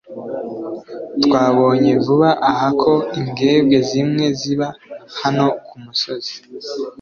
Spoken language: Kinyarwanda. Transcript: twabonye vuba aha ko imbwebwe zimwe ziba hano kumusozi